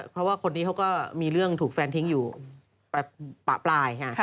เพราะว่าคนนี้เขาก็มีเรื่องถูกแฟนทิ้งอยู่ปะปลาย